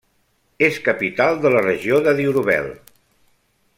És capital de la regió de Diourbel.